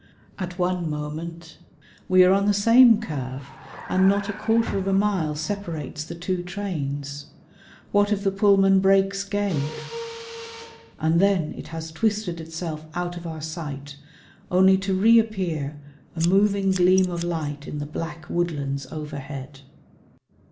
At one moment we are on the same curve, and not a quarter of a mile separates the two trains. What if the Pullman brakes gave? And then it has twisted itself out of our sight, only to reappear a moving gleam of light in the black woodlands overhead.